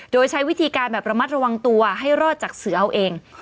โดยใช้วิธีการแบบระมัดระวังตัวให้รอดจากเสือเอาเอง